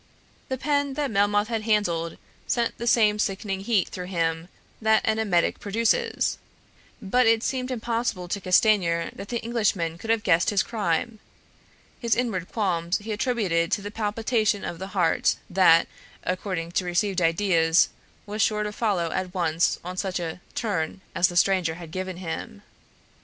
The pen that Melmoth had handled sent the same sickening heat through him that an emetic produces. But it seemed impossible to Castanier that the Englishman should have guessed his crime. His inward qualms he attributed to the palpitation of the heart that, according to received ideas, was sure to follow at once on such a "turn" as the stranger had given him.